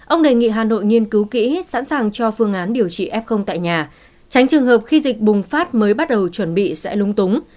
ông đề nghị hà nội nghiên cứu kỹ sẵn sàng cho phương án điều trị f tại nhà tránh trường hợp khi dịch bùng phát mới bắt đầu chuẩn bị sẽ lúng túng